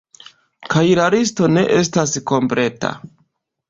Kaj la listo ne estas kompleta!